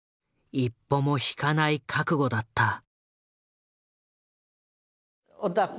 一歩も引かない覚悟だった。